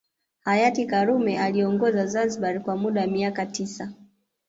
Hayati karume aliongoza Zanzibar kwa muda wa miaka tisa